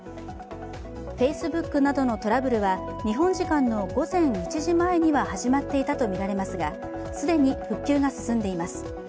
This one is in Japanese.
Ｆａｃｅｂｏｏｋなどのトラブルは日本時間の午前１時前には始まっていたとみられますが、既に復旧が進んでいます。